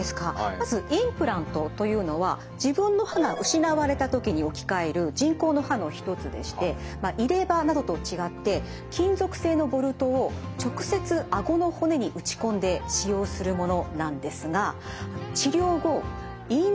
まずインプラントというのは自分の歯が失われた時に置き換える人工の歯の一つでしてまあ入れ歯などと違って金属製のボルトを直接あごの骨に打ち込んで使用するものなんですが治療後インプラント周囲